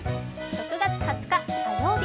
６月２０日火曜日。